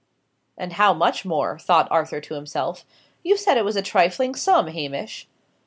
"And how much more?" thought Arthur to himself. "You said it was a trifling sum, Hamish!"